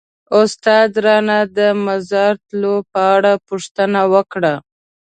استاد رانه د مزار تلو په اړه پوښتنه وکړه.